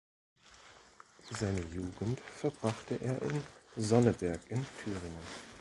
Seine Jugend verbrachte er in Sonneberg in Thüringen.